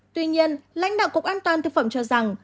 tuy nhiên lãnh đạo cục an toàn thực phẩm cho rằng